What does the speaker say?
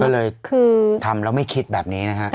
ก็เลยคือทำแล้วไม่คิดแบบนี้นะฮะ